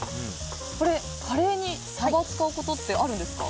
これはカレーにサバを使うことはあるんですか？